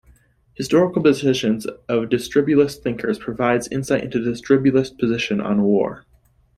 Historical positions of distributist thinkers provides insight into a distributist position on war.